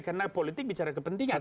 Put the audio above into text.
karena politik bicara kepentingan